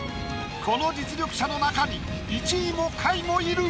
この実力者の中に１位も下位もいる。